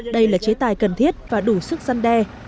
đây là chế tài cần thiết và đủ sức gian đe